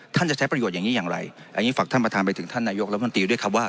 จะใช้ประโยชน์อย่างนี้อย่างไรอันนี้ฝากท่านประธานไปถึงท่านนายกรัฐมนตรีด้วยครับว่า